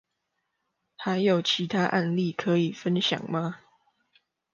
還有其他案例可以分享嗎？